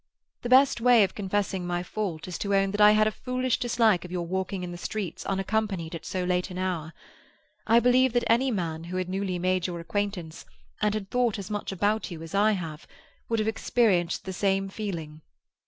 The best way of confessing my fault is to own that I had a foolish dislike of your walking in the streets unaccompanied at so late an hour. I believe that any man who had newly made your acquaintance, and had thought as much about you as I have, would have experienced the same feeling.